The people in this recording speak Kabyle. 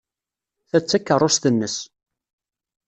Ta d takeṛṛust-nnes.